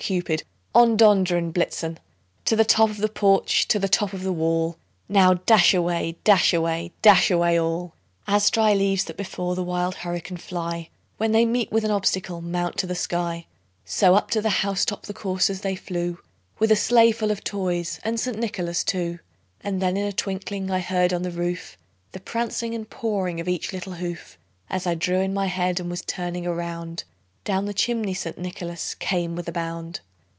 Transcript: Cupid, on! Dunder and Blitzen To the top of the porch, to the top of the wall! Now, dash away, dash away, dash away all!" As dry leaves that before the wild hurricane fly, When they meet with an obstacle, mount to the sky, So, up to the house top the coursers they flew, With a sleigh full of toys and St. Nicholas too. And then in a twinkling I heard on the roof, The prancing and pawing of each little hoof. As I drew in my head, and was turning around, Down the chimney St. Nicholas came with a bound.